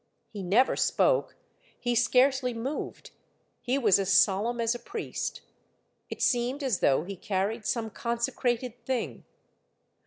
He never spoke, he scarcely moved. He was as solemn as a priest. It seemed as though he carried some consecrated thing.